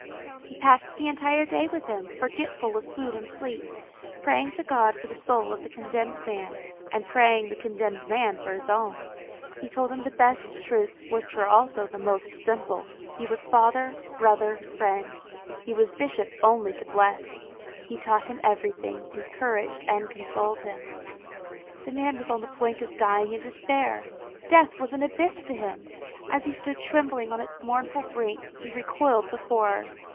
He passed the entire day with him, forgetful of food and sleep, praying to God for the soul of the condemned man, and praying the condemned man for his own. He told him the best truths, which are also the most simple. He was father, brother, friend; he was bishop only to bless. He taught him everything, encouraged and consoled him. The man was on the point of dying in despair. Death was an abyss to him. As he stood trembling on its mournful brink, he recoiled with horror.